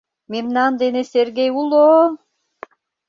Мемнан дене Сергей уло-о!